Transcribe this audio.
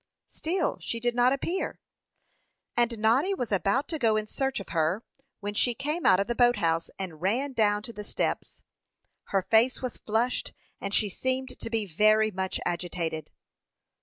Still she did not appear; and Noddy was about to go in search of her, when she came out of the boat house, and ran down to the steps. Her face was flushed, and she seemed to be very much agitated.